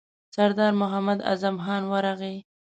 سردار محمد اعظم خان ورغی.